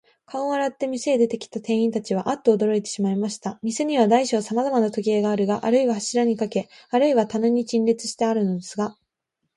顔を洗って、店へ出てきた店員たちは、アッとおどろいてしまいました。店には大小さまざまの時計が、あるいは柱にかけ、あるいは棚に陳列してあるのですが、